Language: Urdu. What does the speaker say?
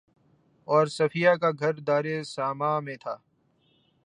اور صفیہ کا گھر دارِ اسامہ میں تھا